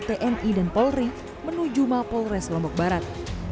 tni dan polri menuju mapolres lombok barat